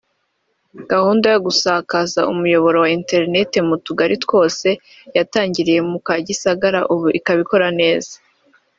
Gahunda yo gusakaza umuyoboro wa internet mu tugari twose yatangiriye mu ka Gisagara ubu ikaba ikora neza